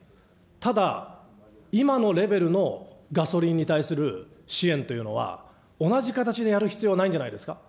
ただ、今のレベルのガソリンに対する支援というのは、同じ形でやる必要ないんじゃないですか。